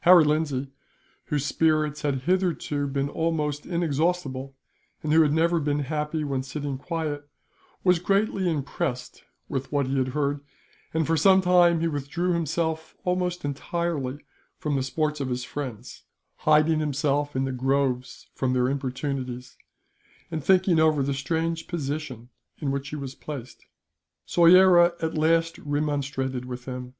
Harry Lindsay, whose spirits had hitherto been almost inexhaustible, and who had never been happy when sitting quiet, was greatly impressed with what he had heard and, for some time, he withdrew himself almost entirely from the sports of his friends, hiding himself in the groves from their importunities, and thinking over the strange position in which he was placed. Soyera at last remonstrated with him.